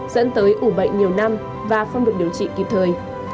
với ủ bệnh nhiều năm và không được điều trị kịp thời